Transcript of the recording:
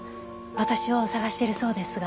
私を捜してるそうですが。